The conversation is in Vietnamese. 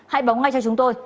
hãy báo ngay cho chúng tôi